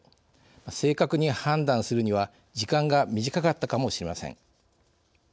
正確に判断をするには時間が短かったかもしれません。